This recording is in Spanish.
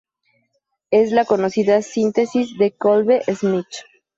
Es la conocida síntesis de Kolbe-Schmitt.